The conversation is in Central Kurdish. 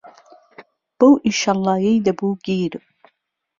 بهو ئیشهڵڵايهی دهبو گیر